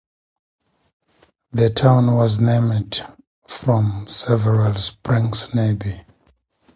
The town was named from several springs nearby.